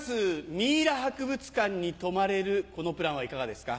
ミイラ博物館に泊まれるこのプランはいかがですか？